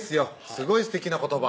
すごいすてきな言葉